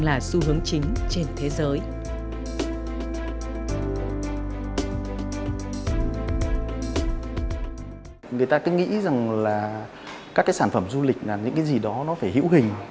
người ta cứ nghĩ rằng là các cái sản phẩm du lịch là những cái gì đó nó phải hữu hình